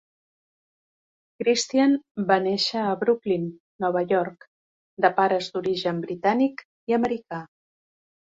Christian va néixer a Brooklyn, Nova York, de pares d'origen britànic i americà.